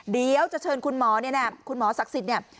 เดี๋ยวจะเชิญคุณหมอเนี่ยนะคุณหมอศักดิ์สิทธิ์เนี่ย